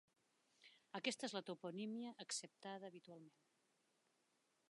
Aquesta és la toponímia acceptada habitualment.